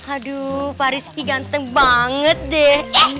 aduh pak rizky ganteng banget deh